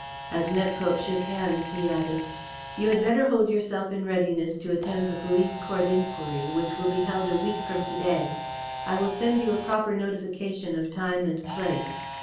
As Nepcote shook hands he added: "You had better hold yourself in readiness to attend the police court inquiry, which will be held a week from to day. I will send you a proper notification of time and place.